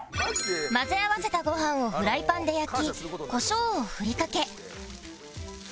混ぜ合わせたご飯をフライパンで焼きコショウを振りかけ